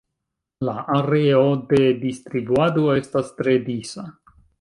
La areo de distribuado estas tre disa.